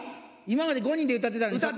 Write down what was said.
今まで５人で歌ってたのに。